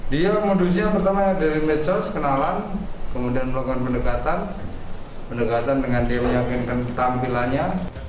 dia modus yang pertama dari medsos kenalan kemudian melakukan pendekatan pendekatan dengan dia meyakinkan tampilannya